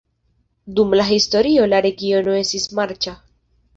Dum la historio la regiono estis marĉa.